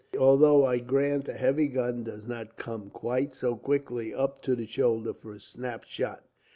Although, I grant, a heavy gun does not come quite so quickly up to the shoulder, for a snap shot."